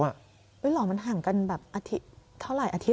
เหรอมันห่างกันเท่าไหร่อาทิตย์